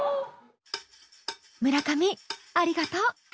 村上ありがとう。